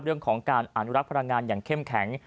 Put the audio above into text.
เรื่องของการอ่านรับพรรภ์งานอย่างเข้มแข็ง